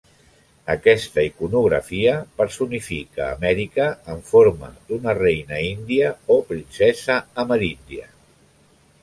Aquesta iconografia personifica Amèrica en forma d'una reina índia o princesa ameríndia.